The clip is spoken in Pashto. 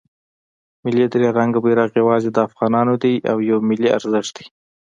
ملی درې رنګه بیرغ یواځې د افغانانو دی او یو ملی ارزښت دی.